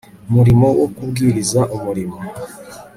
murimo wo kubwiriza Umurimo